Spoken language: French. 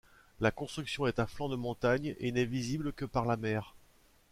La construction est à flanc de montagne et n'est visible que par la mer.